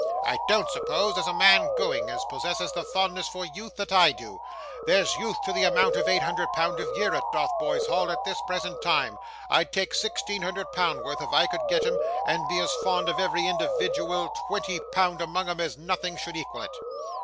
'I don't suppose there's a man going, as possesses the fondness for youth that I do. There's youth to the amount of eight hundred pound a year at Dotheboys Hall at this present time. I'd take sixteen hundred pound worth if I could get 'em, and be as fond of every individual twenty pound among 'em as nothing should equal it!